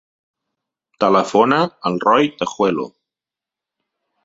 Telefona al Roi Tajuelo.